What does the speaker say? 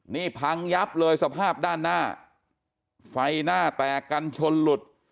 นี่พังยับเลยสภาพด้านหน้าไฟหน้าแตกกันชนหลุด